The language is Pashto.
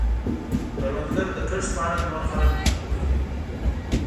کروندګر د کښت په اړه نور خلک هم پوهوي